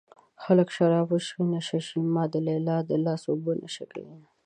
خلک شراب وڅښي نشه شي ما د ليلا د لاس اوبه نشه کوينه